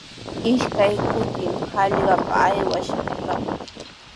Ishkay kutimi hallqapa aywash kaa.